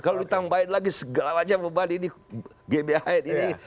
kalau ditambahin lagi segala macam beban ini gbhn ini